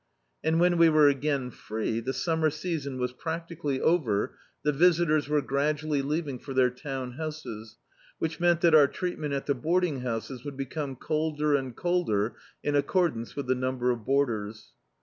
And, when we were again free, the summer season was practically over, the visitors were gradually leaving for their town houses ; which meant that our treatment at the boarding houses would become colder and colder in accordance with the number of boarders.